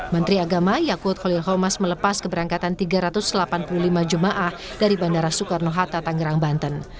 menteri agama yakut khalil khomas melepas keberangkatan tiga ratus delapan puluh lima jemaah dari bandara soekarno hatta tangerang banten